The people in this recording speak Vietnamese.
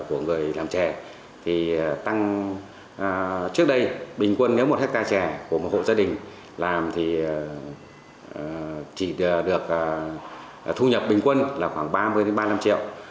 của người làm chè thì tăng trước đây bình quân nếu một hectare trẻ của một hộ gia đình làm thì chỉ được thu nhập bình quân là khoảng ba mươi ba mươi năm triệu